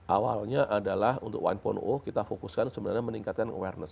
awalnya adalah untuk satu kita fokuskan sebenarnya meningkatkan way of life